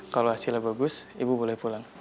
kalau hasilnya bagus ibu boleh pulang